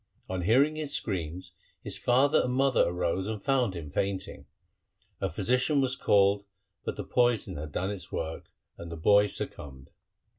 On hearing his screams his father and mother arose and found him fainting. A physician was called, but the poison had done its work, and the boy succumbed.